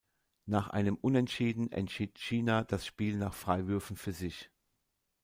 Nach einem Unentschieden entschied China das Spiel nach Freiwürfen für sich.